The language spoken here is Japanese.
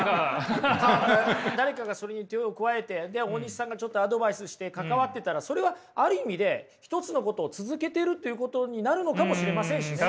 誰かがそれに手を加えて大西さんがちょっとアドバイスして関わってたらそれはある意味で一つのことを続けてるっていうことになるのかもしれませんしね。